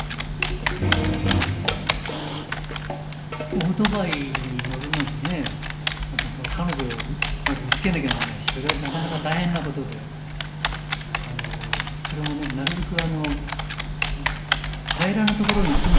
オートバイに乗るのにね彼女まず見つけなきゃなんないしそれはなかなか大変なことであのそれもねなるべく